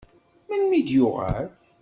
Melmi d-yuɣal?